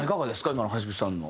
今の橋口さんの。